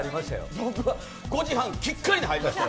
僕は５時半きっかりに入りましたよ。